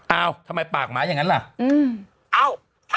เอิ้ทำไมปากหมายอย่างนั้นล่ะอืมเอา